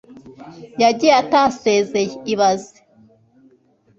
yagiye atasezeye ibaze